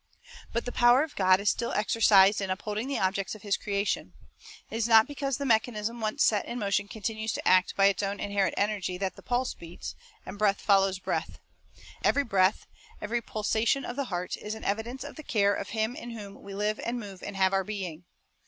1 But the power of God is still exercised in upholding the objects of His creation. It is not because the mechanism once set m motion continues to act by its own inherent energy that the pulse beats, and breath follows breath. Every breath, every pulsation of the heart, is an evidence of the care of Him in whom we live and move and have our being.